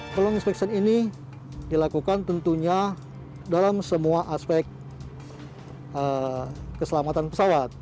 peluang inspection ini dilakukan tentunya dalam semua aspek keselamatan pesawat